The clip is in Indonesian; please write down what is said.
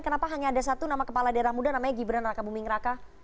kenapa hanya ada satu nama kepala daerah muda namanya gibran raka buming raka